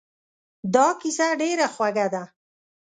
دا کیسه ډېره خوږه ده.